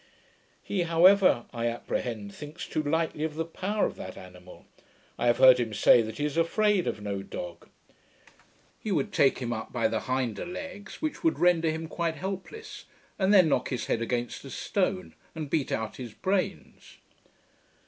He, however, I apprehend, thinks too lightly of the power of that animal. I have heard him say, that he is afraid of no dog. 'He would take him up by the hinder legs, which would render him quite helpless, and then knock his head against a stone, and beat out his brains.'